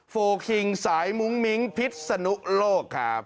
โฟลคิงสายมุ้งมิ้งพิษนุโลกครับ